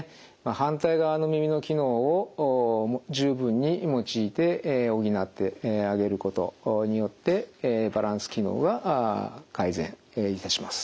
反対側の耳の機能を十分に用いて補ってあげることによってバランス機能が改善いたします。